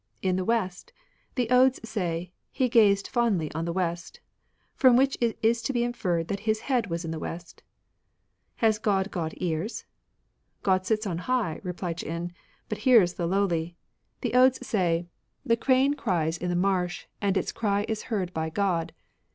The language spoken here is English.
" In the West. The Odes say, He gazed fondly on the West. From which it is to be inferred that his head was in the West." " Has God got ears ?"" God sits on high," repUed Ch'in, " but hears the lowly. The Odes say, 64 MATERIALISM The creuie cries in the marsh, And its cry is heard by God.